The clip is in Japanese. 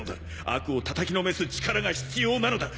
悪をたたきのめす力が必要なのだ。